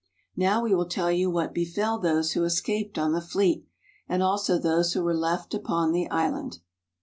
Now we will tell you what befell those who escaped on the fleet, and also those who were left upon the island.